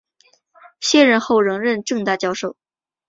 卸任后仍任政大教授。